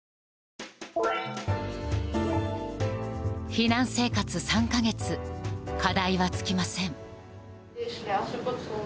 避難生活３か月課題は尽きません。